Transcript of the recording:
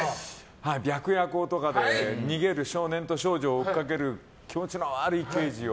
「白夜行」とかで逃げる少年と少女を追いかける気持ちの悪い刑事を。